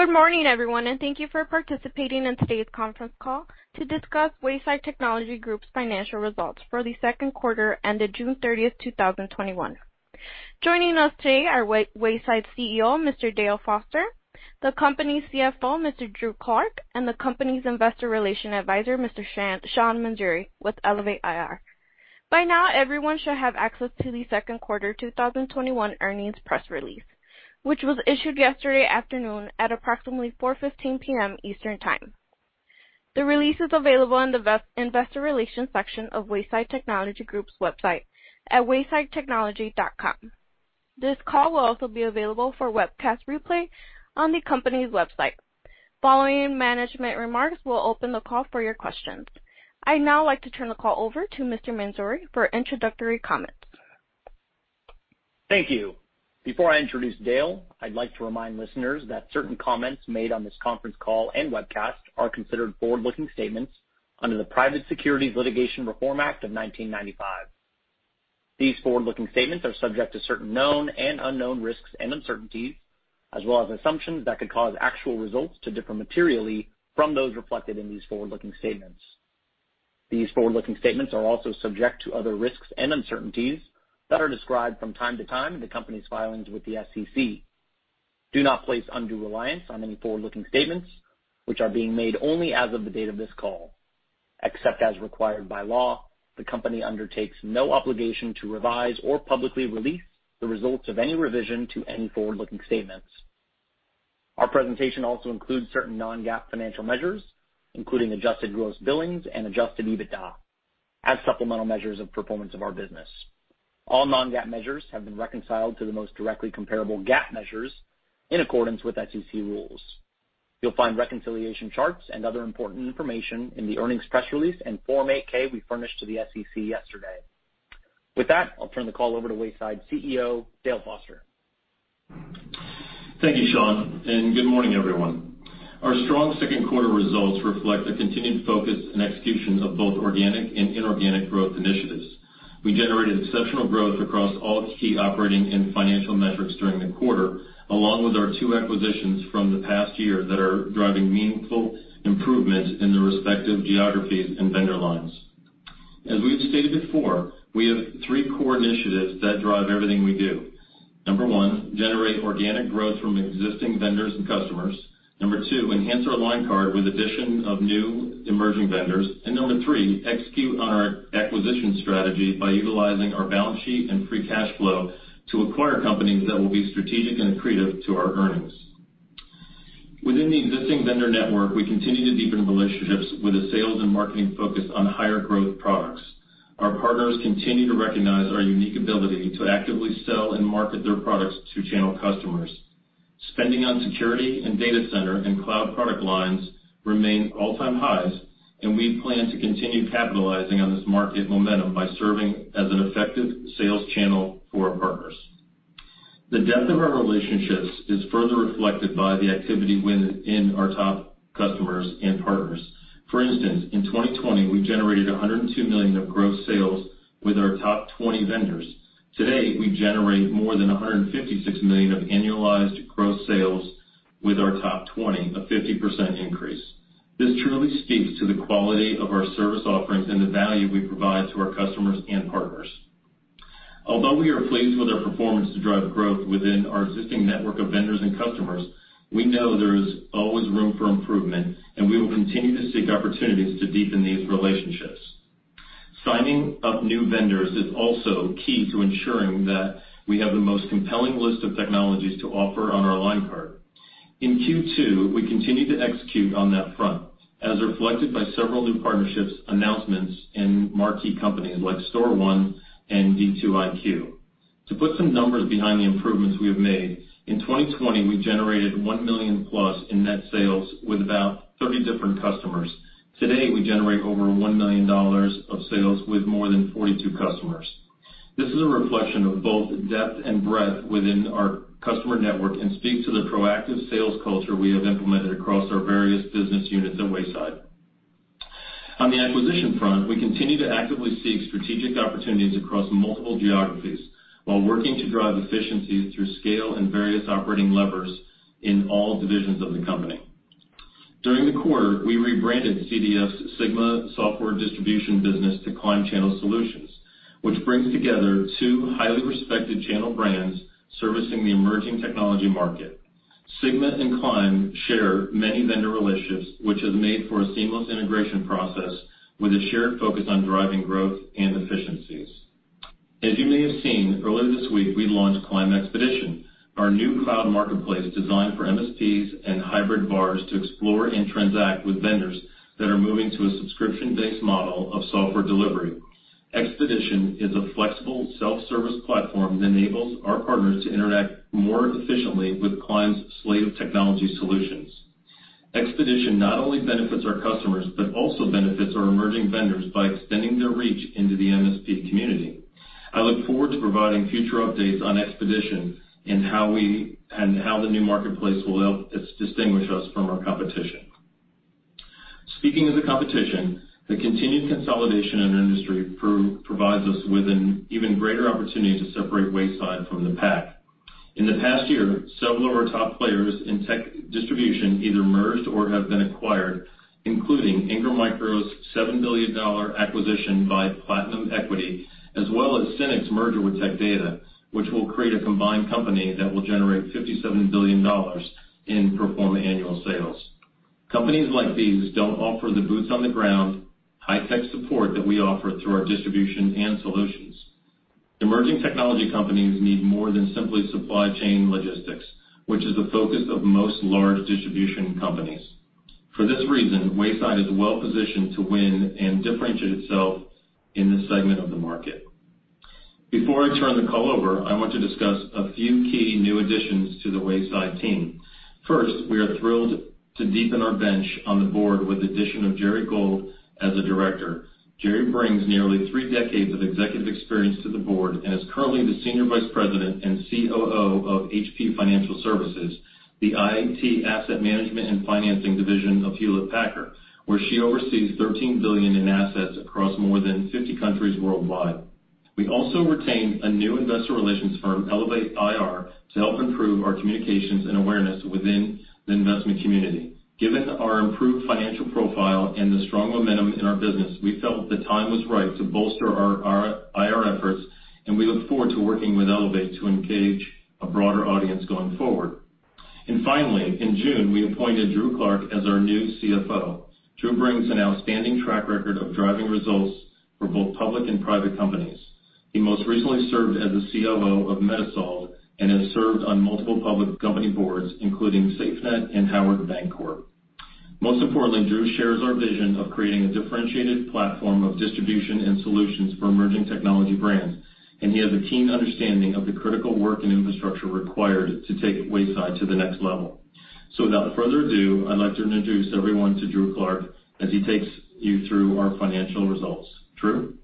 Good morning everyone. Thank you for participating in today's conference call to discuss Wayside Technology Group's financial results for the second quarter ended June 30, 2021. Joining us today are Wayside CEO, Mr. Dale Foster, the company's CFO, Mr. Drew Clark, the company's Investor Relations Advisor, Mr. Sean Mansouri with Elevate IR. By now, everyone should have access to the second quarter 2021 earnings press release, which was issued yesterday afternoon at approximately 4:15 P.M. Eastern Time. The release is available in the Investor Relations section of Wayside Technology Group's website at waysidetechnology.com. This call will also be available for webcast replay on the company's website. Following management remarks, we'll open the call for your questions. I'd now like to turn the call over to Mr. Mansouri for introductory comments. Thank you. Before I introduce Dale, I'd like to remind listeners that certain comments made on this conference call and webcast are considered forward-looking statements under the Private Securities Litigation Reform Act of 1995. These forward-looking statements are subject to certain known and unknown risks and uncertainties, as well as assumptions that could cause actual results to differ materially from those reflected in these forward-looking statements. These forward-looking statements are also subject to other risks and uncertainties that are described from time to time in the company's filings with the SEC. Do not place undue reliance on any forward-looking statements, which are being made only as of the date of this call. Except as required by law, the company undertakes no obligation to revise or publicly release the results of any revision to any forward-looking statements. Our presentation also includes certain non-GAAP financial measures, including adjusted gross billings and adjusted EBITDA, as supplemental measures of performance of our business. All non-GAAP measures have been reconciled to the most directly comparable GAAP measures in accordance with SEC rules. You'll find reconciliation charts and other important information in the earnings press release and Form 8-K we furnished to the SEC yesterday. With that, I'll turn the call over to Wayside CEO, Dale Foster. Thank you, Sean Mansouri, and good morning everyone. Our strong second quarter results reflect a continued focus and execution of both organic and inorganic growth initiatives. We generated exceptional growth across all key operating and financial metrics during the quarter, along with our two acquisitions from the past year that are driving meaningful improvement in the respective geographies and vendor lines. As we have stated before, we have three core initiatives that drive everything we do. Number one, generate organic growth from existing vendors and customers. Number two, enhance our line card with addition of new emerging vendors. Number three, execute on our acquisition strategy by utilizing our balance sheet and free cash flow to acquire companies that will be strategic and accretive to our earnings. Within the existing vendor network, we continue to deepen relationships with a sales and marketing focus on higher growth products. Our partners continue to recognize our unique ability to actively sell and market their products to channel customers. Spending on security and data center and cloud product lines remain all-time highs, and we plan to continue capitalizing on this market momentum by serving as an effective sales channel for our partners. The depth of our relationships is further reflected by the activity within our top customers and partners. For instance, in 2020, we generated $102 million of gross sales with our top 20 vendors. Today, we generate more than $156 million of annualized gross sales with our top 20, a 50% increase. This truly speaks to the quality of our service offerings and the value we provide to our customers and partners. Although we are pleased with our performance to drive growth within our existing network of vendors and customers, we know there is always room for improvement, and we will continue to seek opportunities to deepen these relationships. Signing up new vendors is also key to ensuring that we have the most compelling list of technologies to offer on our line card. In Q2, we continued to execute on that front, as reflected by several new partnerships announcements in marquee companies like StorONE and D2iQ. To put some numbers behind the improvements we have made, in 2020, we generated $1 million+ in net sales with about 30 different customers. Today, we generate over $1 million of sales with more than 42 customers. This is a reflection of both depth and breadth within our customer network and speaks to the proactive sales culture we have implemented across our various business units at Wayside. On the acquisition front, we continue to actively seek strategic opportunities across multiple geographies while working to drive efficiency through scale and various operating levers in all divisions of the company. During the quarter, we rebranded CDF Sigma Software Distribution business to Climb Channel Solutions, which brings together two highly respected channel brands servicing the emerging technology market. Sigma and Climb share many vendor relationships, which has made for a seamless integration process with a shared focus on driving growth and efficiencies. As you may have seen, earlier this week, we launched Climb Expedition, our new cloud marketplace designed for MSPs and hybrid VARs to explore and transact with vendors that are moving to a subscription-based model of software delivery. Expedition is a flexible self-service platform that enables our partners to interact more efficiently with Climb's suite of technology solutions. Expedition not only benefits our customers, but also benefits our emerging vendors by extending their reach into the MSP community. I look forward to providing future updates on Expedition and how the new marketplace will help us distinguish us from our competition. Speaking of the competition, the continued consolidation in our industry provides us with an even greater opportunity to separate Wayside from the pack. In the past year, several of our top players in tech distribution either merged or have been acquired, including Ingram Micro's $7 billion acquisition by Platinum Equity, as well as Synnex's merger with Tech Data, which will create a combined company that will generate $57 billion in pro forma annual sales. Companies like these don't offer the boots on the ground, high-tech support that we offer through our distribution and solutions. Emerging technology companies need more than simply supply chain logistics, which is the focus of most large distribution companies. For this reason, Wayside is well-positioned to win and differentiate itself in this segment of the market. Before I turn the call over, I want to discuss a few key new additions to the Wayside team. First, we are thrilled to deepen our bench on the board with the addition of Gerri Gold as a director. Jeri brings nearly three decades of executive experience to the board and is currently the Senior Vice President and COO of HP Financial Services, the IT asset management and financing division of Hewlett Packard, where she oversees $13 billion in assets across more than 50 countries worldwide. We also retained a new investor relations firm, Elevate IR, to help improve our communications and awareness within the investment community. Given our improved financial profile and the strong momentum in our business, we felt the time was right to bolster our IR efforts, we look forward to working with Elevate to engage a broader audience going forward. Finally, in June, we appointed Drew Clark as our new CFO. Drew brings an outstanding track record of driving results for both public and private companies. He most recently served as the CFO of Medisolv and has served on multiple public company boards, including SafeNet and Howard Bancorp. Most importantly, Drew shares our vision of creating a differentiated platform of distribution and solutions for emerging technology brands, and he has a keen understanding of the critical work and infrastructure required to take Wayside to the next level. Without further ado, I'd like to introduce everyone to Drew Clark as he takes you through our financial results. Drew?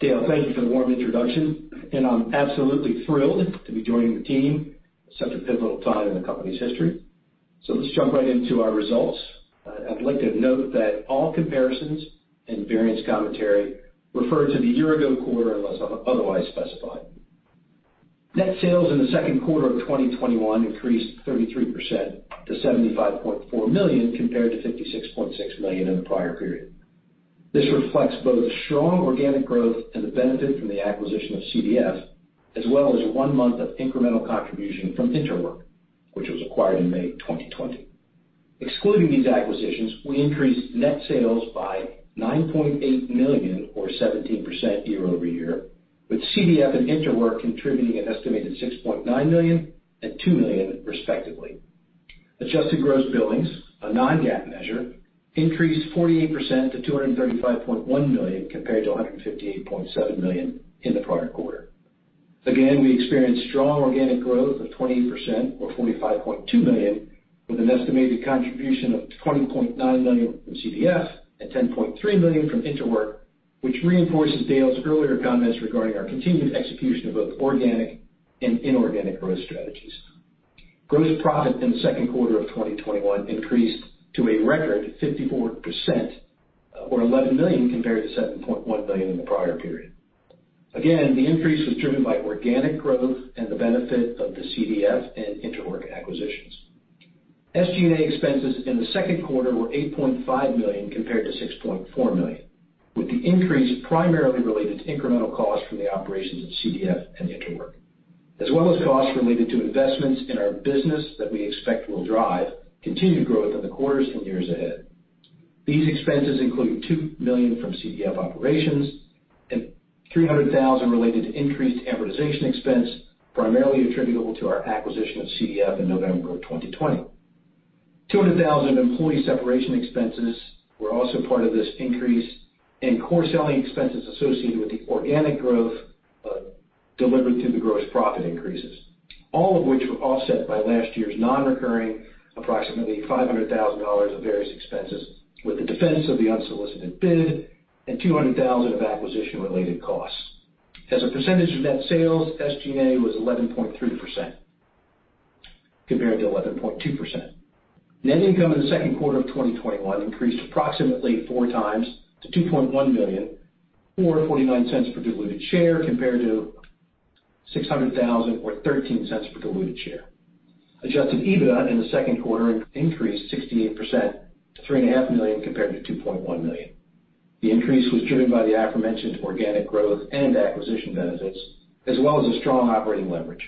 Dale, thank you for the warm introduction, and I'm absolutely thrilled to be joining the team at such a pivotal time in the company's history. Let's jump right into our results. I'd like to note that all comparisons and variance commentary refer to the year-ago quarter unless otherwise specified. Net sales in the second quarter of 2021 increased 33% to $75.4 million compared to $56.6 million in the prior period. This reflects both strong organic growth and the benefit from the acquisition of CDF, as well as one month of incremental contribution from InterWork, which was acquired in May 2020. Excluding these acquisitions, we increased net sales by $9.8 million or 17% year-over-year, with CDF and InterWork contributing an estimated $6.9 million and $2 million respectively. Adjusted gross billings, a non-GAAP measure, increased 48% to $235.1 million compared to $158.7 million in the prior quarter. Again, we experienced strong organic growth of 28%, or $45.2 million, with an estimated contribution of $20.9 million from CDF and $10.3 million from InterWork, which reinforces Dale's earlier comments regarding our continued execution of both organic and inorganic growth strategies. Gross profit in the second quarter of 2021 increased to a record 54%, or $11 million compared to $7.1 million in the prior period. Again, the increase was driven by organic growth and the benefit of the CDF and InterWork acquisitions. SG&A expenses in the second quarter were $8.5 million compared to $6.4 million, with the increase primarily related to incremental costs from the operations of CDF and InterWork, as well as costs related to investments in our business that we expect will drive continued growth in the quarters and years ahead. These expenses include $2 million from CDF operations and $300,000 related to increased amortization expense, primarily attributable to our acquisition of CDF in November of 2020. $200,000 employee separation expenses were also part of this increase, and core selling expenses associated with the organic growth delivered through the gross profit increases, all of which were offset by last year's non-recurring approximately $500,000 of various expenses with the defense of the unsolicited bid and $200,000 of acquisition-related costs. As a percentage of net sales, SG&A was 11.3% compared to 11.2%. Net income in the second quarter of 2021 increased approximately four times to $2.1 million, or $0.49 per diluted share, compared to $600,000 or $0.13 per diluted share. Adjusted EBITDA in the second quarter increased 68% to $3.5 million compared to $2.1 million. The increase was driven by the aforementioned organic growth and acquisition benefits, as well as a strong operating leverage.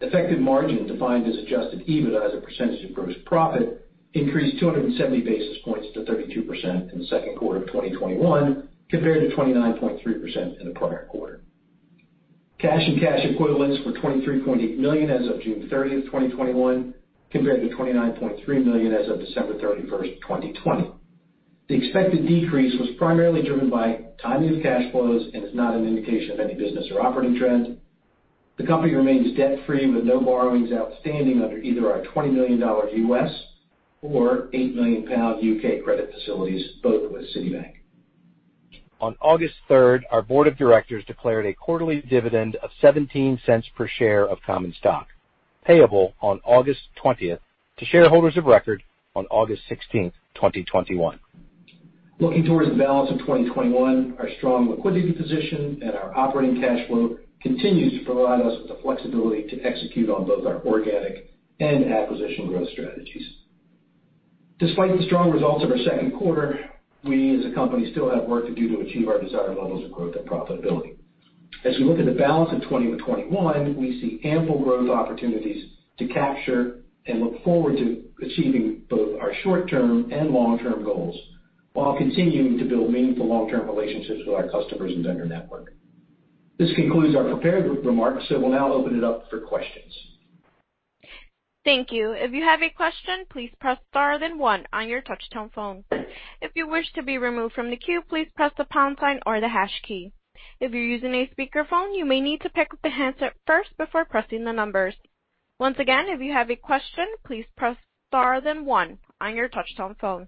Effective margin, defined as adjusted EBITDA as a percentage of gross profit, increased 270 basis points to 32% in the second quarter of 2021 compared to 29.3% in the prior quarter. Cash and cash equivalents were $23.8 million as of June 30th, 2021, compared to $29.3 million as of December 31st, 2020. The expected decrease was primarily driven by timing of cash flows and is not an indication of any business or operating trends. The company remains debt-free with no borrowings outstanding under either our $20 million U.S. or 8 million pounds U.K. credit facilities, both with Citibank. On August 3rd, our board of directors declared a quarterly dividend of $0.17 per share of common stock, payable on August 20th to shareholders of record on August 16th, 2021. Looking towards the balance of 2021, our strong liquidity position and our operating cash flow continues to provide us with the flexibility to execute on both our organic and acquisition growth strategies. Despite the strong results of our second quarter, we as a company still have work to do to achieve our desired levels of growth and profitability. As we look at the balance of 2021, we see ample growth opportunities to capture and look forward to achieving both our short-term and long-term goals, while continuing to build meaningful long-term relationships with our customers and vendor network. This concludes our prepared remarks, so we'll now open it up for questions. Thank you. If you have a question, please press star then one on your touch-tone phone. If you wish to be removed from the queue, please press the pound sign or the hash key. If you're using a speakerphone, you may need to pick up the handset first before pressing the numbers. Once again, if you have a question, please press star, then one on your touch-tone phone.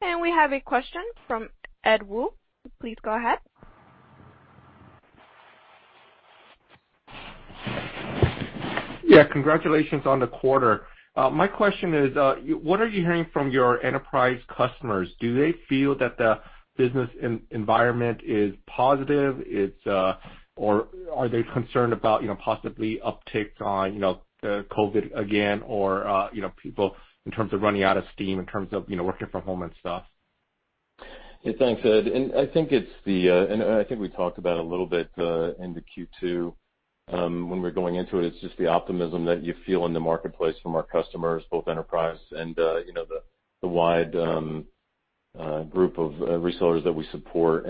We have a question from Ed Woo. Please go ahead. Yeah, congratulations on the quarter. My question is, what are you hearing from your enterprise customers? Do they feel that the business environment is positive, or are they concerned about possibly upticks on COVID again, or people in terms of running out of steam, in terms of working from home and stuff? Thanks, Ed. I think we talked about a little bit in the Q2 when we were going into it. It's just the optimism that you feel in the marketplace from our customers, both enterprise and the wide group of resellers that we support.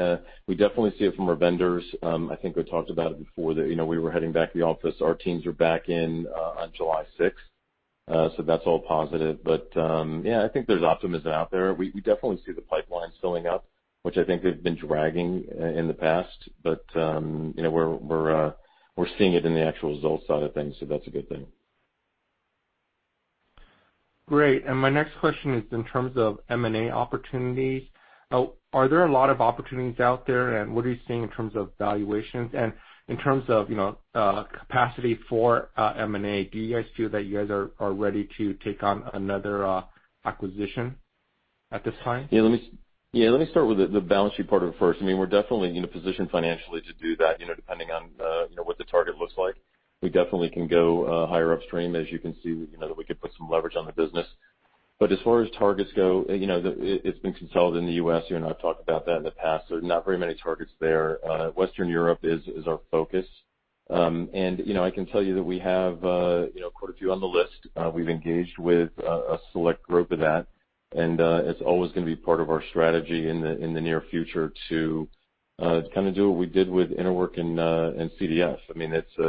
We definitely see it from our vendors. I think we talked about it before that we were heading back to the office. Our teams are back in on July 6th, so that's all positive. I think there's optimism out there. We definitely see the pipelines filling up, which I think they've been dragging in the past. We're seeing it in the actual results side of things, so that's a good thing. My next question is in terms of M&A opportunities. Are there a lot of opportunities out there, and what are you seeing in terms of valuations and in terms of capacity for M&A? Do you guys feel that you guys are ready to take on another acquisition at this time? Yeah, let me start with the balance sheet part of it first. We're definitely positioned financially to do that, depending on what the target looks like. We definitely can go higher upstream, as you can see, that we could put some leverage on the business. As far as targets go, it's been consolidated in the U.S. You and I've talked about that in the past. There's not very many targets there. Western Europe is our focus. I can tell you that we have quite a few on the list. We've engaged with a select group of that, and it's always going to be part of our strategy in the near future to kind of do what we did with Interwork and CDF.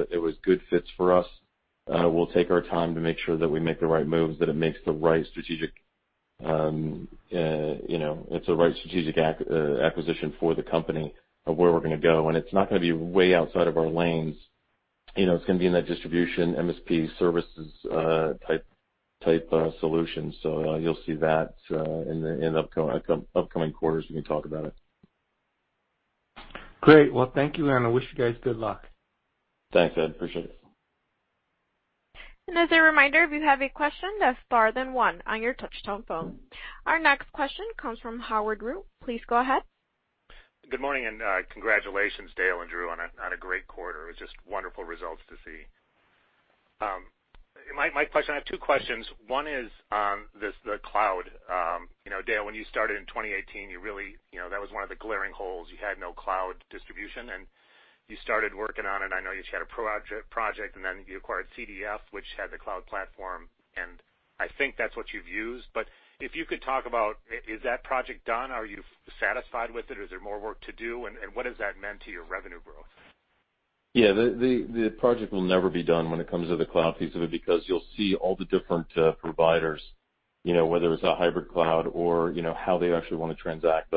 It was good fits for us. We'll take our time to make sure that we make the right moves, that it's a right strategic acquisition for the company of where we're going to go. It's not going to be way outside of our lanes. It's going to be in that distribution, MSP services type solution. You'll see that in the upcoming quarters when we talk about it. Great. Well, thank you, and I wish you guys good luck. Thanks, Ed, appreciate it. As a reminder, if you have a question, press star then one on your touch-tone phone. Our next question comes from Howard Rue. Please go ahead. Good morning, and congratulations, Dale and Drew, on a great quarter. It's just wonderful results to see. I have two questions. One is the cloud. Dale, when you started in 2018, that was one of the glaring holes. You had no cloud distribution, and you started working on it. I know you each had a project, and then you acquired CDF, which had the cloud platform, and I think that's what you've used. If you could talk about, is that project done? Are you satisfied with it? Is there more work to do? What has that meant to your revenue growth? Yeah, the project will never be done when it comes to the cloud piece of it because you'll see all the two different providers, whether it's a hybrid cloud or how they actually want to transact.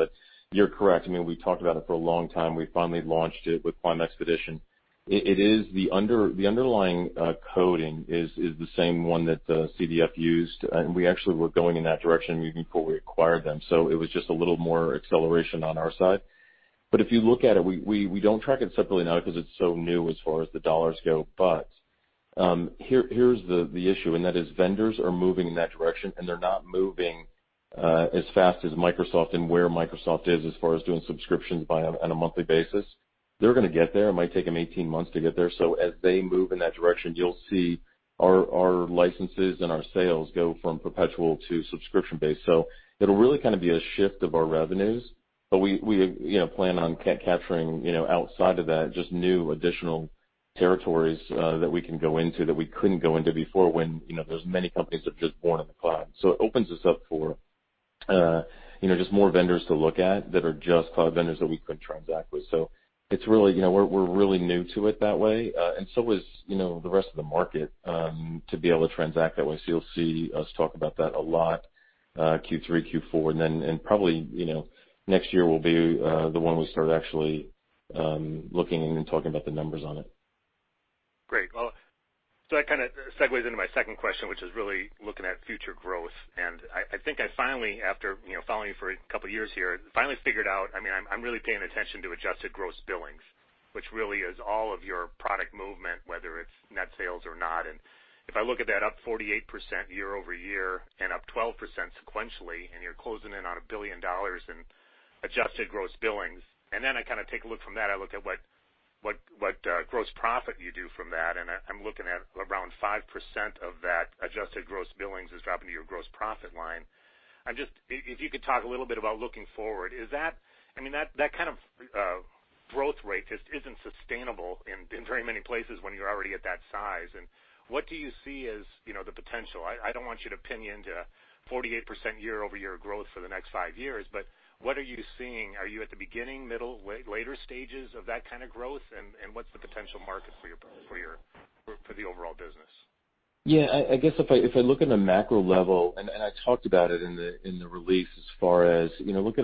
You're correct. We talked about it for a long time. We finally launched it with Climb Expedition. The underlying coding is the same one that CDF used, and we actually were going in that direction even before we acquired them. It was just a little more acceleration on our side. If you look at it, we don't track it separately now because it's so new as far as the dollars go. Here's the issue, and that is vendors are moving in that direction, and they're not moving as fast as Microsoft and where Microsoft is as far as doing subscriptions on a monthly basis. They're going to get there. It might take them 18 months to get there. As they move in that direction, you'll see our licenses and our sales go from perpetual to subscription-based. It'll really kind of be a shift of our revenues, but we plan on capturing outside of that, just new additional territories that we can go into that we couldn't go into before when those many companies are just born in the cloud. It opens us up for just more vendors to look at that are just cloud vendors that we couldn't transact with. We're really new to it that way, and so is the rest of the market to be able to transact that way. You'll see us talk about that a lot Q3, Q4, and then probably next year will be the one we start actually looking and talking about the numbers on it. Great. Well, that kind of segues into my second question, which is really looking at future growth. I think I finally, after following you for a couple of years here, finally figured out, I'm really paying attention to adjusted gross billings, which really is all of your product movement, whether it's net sales or not. If I look at that up 48% year-over-year and up 12% sequentially, you're closing in on $1 billion in adjusted gross billings. Then I take a look from that, I look at what gross profit you do from that, and I'm looking at around 5% of that adjusted gross billings is dropping to your gross profit line. If you could talk a little bit about looking forward. That kind of growth rate just isn't sustainable in very many places when you're already at that size. What do you see as the potential? I don't want you to pin me into 48% year-over-year growth for the next five years, but what are you seeing? Are you at the beginning, middle, later stages of that kind of growth? What's the potential market for the overall business? Yeah, I guess if I look in the macro level, and I talked about it in the release as far as look at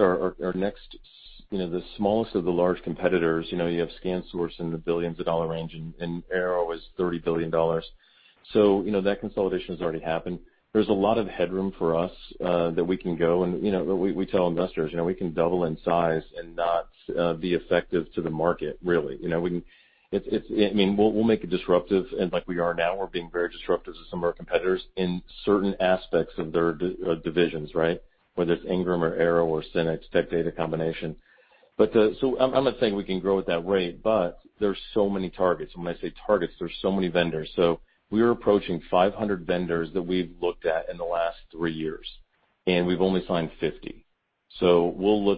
the smallest of the large competitors, you have ScanSource in the billions of dollar range, and Arrow is $30 billion. That consolidation has already happened. There's a lot of headroom for us that we can go, and we tell investors, we can double in size and not be effective to the market, really. We'll make it disruptive, and like we are now, we're being very disruptive to some of our competitors in certain aspects of their divisions, right? Whether it's Ingram or Arrow or Synnex, Tech Data combination. I'm not saying we can grow at that rate, but there's so many targets. When I say targets, there's so many vendors. We are approaching 500 vendors that we've looked at in the last three years, and we've only signed 50. That's over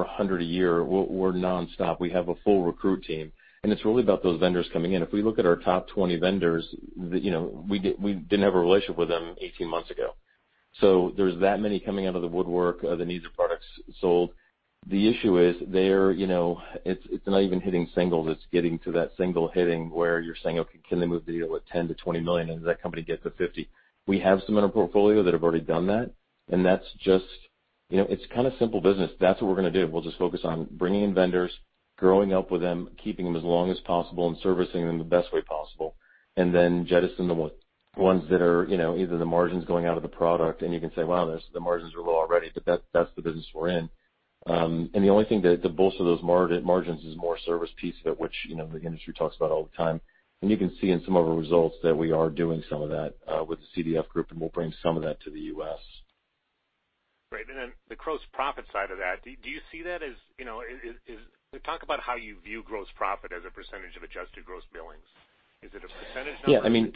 100 a year. We're nonstop. We have a full recruit team. It's really about those vendors coming in. If we look at our top 20 vendors, we didn't have a relationship with them 18 months ago. There's that many coming out of the woodwork that needs our products sold. The issue is it's not even hitting single that's getting to that single hitting where you're saying, "Okay, can they move the deal with $10 million-$20 million?" That company gets a 50. We have some in our portfolio that have already done that, and it's kind of simple business. That's what we're going to do. We'll just focus on bringing in vendors, growing up with them, keeping them as long as possible, and servicing them the best way possible. Then jettison the ones that are either the margins going out of the product and you can say, "Wow, the margins are low already," but that's the business we're in. The only thing that bolts of those margins is more service piece that which the industry talks about all the time. You can see in some of the results that we are doing some of that with the CDF Group, and we'll bring some of that to the U.S. Great. The gross profit side of that, talk about how you view gross profit as a percentage of adjusted gross billings. Is it a percentage number? Yeah. I mean,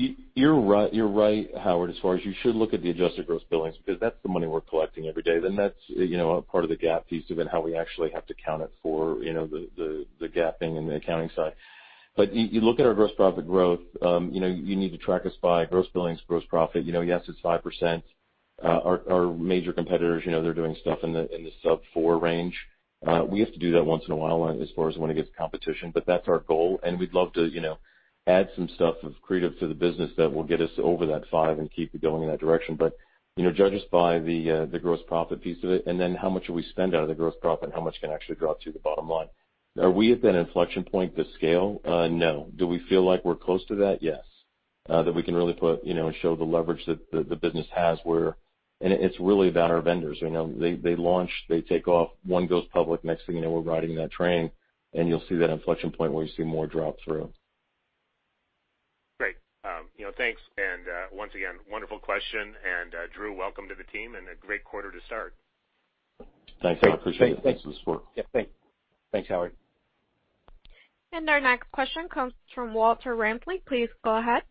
a dollar number? You're right, Howard, as far as you should look at the adjusted gross billings because that's the money we're collecting every day. That's part of the GAAP piece of it, how we actually have to count it for the GAAP and the accounting side. You look at our gross profit growth, you need to track us by gross billings, gross profit. Yes, it's 5%. Our major competitors, they're doing stuff in the sub four range. We have to do that once in a while as far as when it gets competition. That's our goal. We'd love to add some stuff of creative to the business that will get us over that five and keep it going in that direction. Judge us by the gross profit piece of it, how much do we spend out of the gross profit and how much can actually drop to the bottom line. Are we at that inflection point to scale? No. Do we feel like we're close to that? Yes. We can really put and show the leverage that the business has. It's really about our vendors. They launch, they take off, one goes public, next thing you know, we're riding that train. You'll see that inflection point where you see more drop through. Great. Thanks, once again, wonderful question. Drew, welcome to the team, and a great quarter to start. Thanks, Howard. I appreciate it. Thanks for the support. Yeah. Thanks, Howard. Our next question comes from Walter Ramsley. Please go ahead.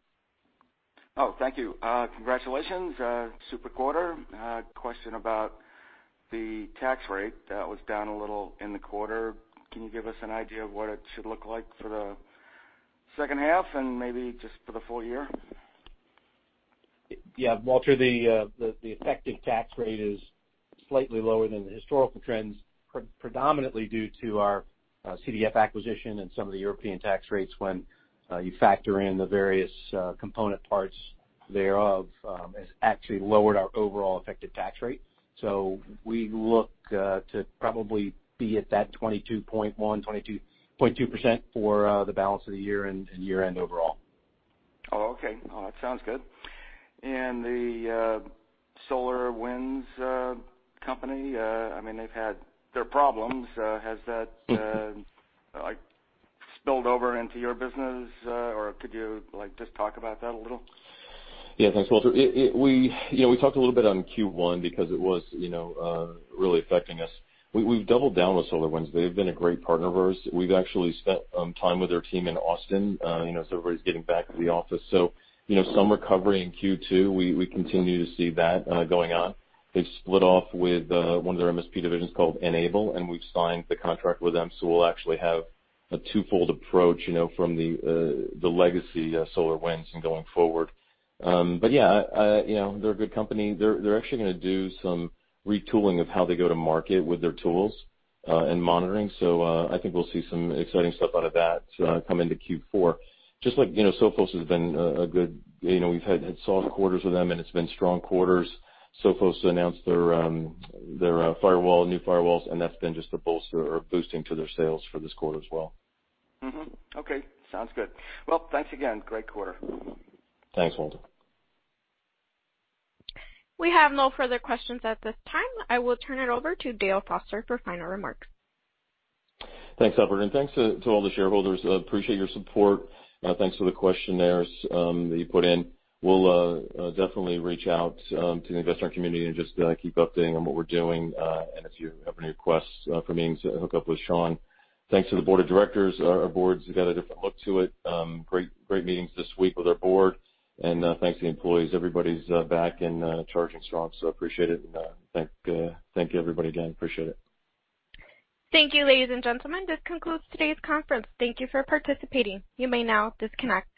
Oh, thank you. Congratulations. Super quarter. Question about the tax rate that was down a little in the quarter, can you give us an idea of what it should look like for the second half and maybe just for the full year? Yeah, Walter, the effective tax rate is slightly lower than the historical trends, predominantly due to our CDF acquisition and some of the European tax rates when you factor in the various component parts thereof, has actually lowered our overall effective tax rate. We look to probably be at that 22.1%, 22.2% for the balance of the year and year-end overall. Oh, okay. That sounds good. The SolarWinds company, they've had their problems. Has that spilled over into your business? Could you just talk about that a little? Yeah, thanks, Walter. We talked a little bit on Q1 because it was really affecting us. We've doubled down with SolarWinds. They've been a great partner of ours. We've actually spent time with their team in Austin, as everybody's getting back to the office. Some recovery in Q2. We continue to see that going on. They've split off with one of their MSP divisions called N-able, and we've signed the contract with them, so we'll actually have a 2-fold approach from the legacy SolarWinds and going forward. Yeah, they're a good company. They're actually going to do some retooling of how they go to market with their tools and monitoring. I think we'll see some exciting stuff out of that come into Q4. Just like Sophos has been a good, we've had soft quarters with them, and it's been strong quarters. Sophos announced their new firewalls, and that's been just a bolster or boosting to their sales for this quarter as well. Okay. Sounds good. Well, thanks again. Great quarter. Thanks, Walter. We have no further questions at this time. I will turn it over to Dale Foster for final remarks. Thanks, operator. Thanks to all the shareholders. Appreciate your support. Thanks for the questionnaires that you put in. We'll definitely reach out to the investor community and just keep updating on what we're doing. If you have any requests for meetings, hook up with Sean. Thanks to the board of directors. Our board's got a different look to it. Great meetings this week with our board. Thanks to the employees. Everybody's back and charging strong, so appreciate it. Thank you, everybody, again. Appreciate it. Thank you, ladies and gentlemen. This concludes today's conference. Thank you for participating. You may now disconnect.